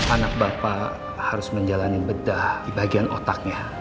anak bapak harus menjalani bedah di bagian otaknya